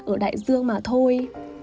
ở đại dương mà thôi